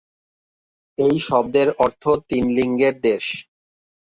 এই শব্দের অর্থ "তিন লিঙ্গের দেশ"।